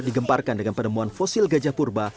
digemparkan dengan penemuan fosil gajah purba